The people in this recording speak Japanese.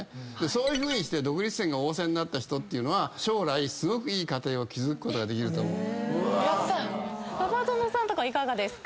そういうふうにして独立心が旺盛になった人って将来すごくいい家庭を築くことができると思う。